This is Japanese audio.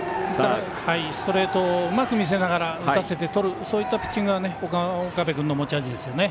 ストレートうまく見せながら打たせてとるそういったピッチングが岡部君の持ち味ですよね。